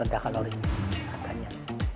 rendah kalori katanya